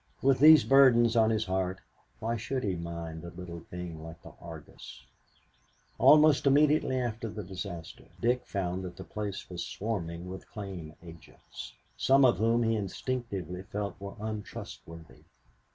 With these burdens on his heart, why should he mind a little thing like the Argus? Almost immediately after the disaster, Dick found that the place was swarming with claim agents, some of whom he instinctively felt were untrustworthy.